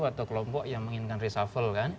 atau kelompok yang menginginkan resah